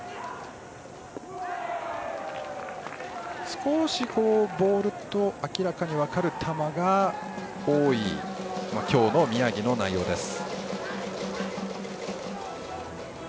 少し、ボールと明らかに分かる球が多い今日の宮城の内容です。